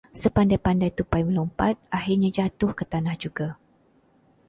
Sepandai-pandai tupai melompat, akhirnya jatuh ke tanah juga.